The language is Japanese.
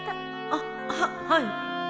あっははい